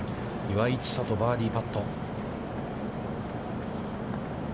岩井千怜、バーディーパット。